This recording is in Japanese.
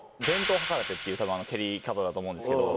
っていう多分蹴り方だと思うんですけど。